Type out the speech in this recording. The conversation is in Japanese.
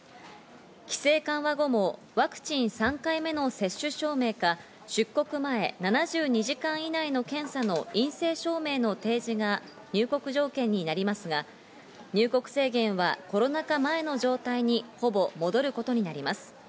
規制緩和後もワクチン３回目の接種証明か、出国前７２時間以内の検査の陰性証明の提示が入国条件になりますが、入国制限はコロナ禍前の状態にほぼ戻ることになります。